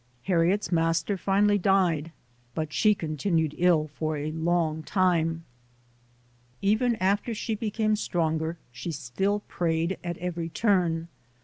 Harriet's master finally died but she continued ill for a long time. Even after she became stronger she still prayed at every turn.